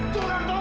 cura tau gak